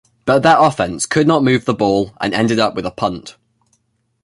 But their offense could not move the ball and ended up with a punt.